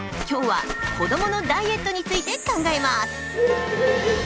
今日は子どものダイエットについて考えます。